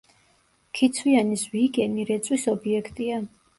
ქიცვიანი ზვიგენი რეწვის ობიექტია.